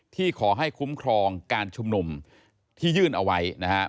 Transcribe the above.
ที่ขอให้คุ้มครองการชุมนุมที่ยื่นเอาไว้นะครับ